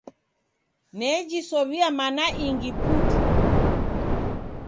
Nejisow'ia mana ingi putu.